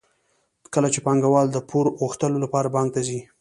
کله چې پانګوال د پور غوښتلو لپاره بانک ته ځي